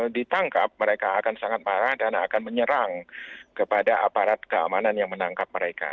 ditangkap mereka akan sangat marah dan akan menyerang kepada aparat keamanan yang menangkap mereka